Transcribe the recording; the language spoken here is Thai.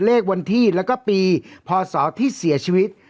เลขวันที่แล้วก็ปีพศที่เสียชีวิต